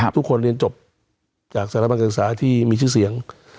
ทุกคนเรียนจบจากสารบังก็ังศาที่มีชื่อเสียง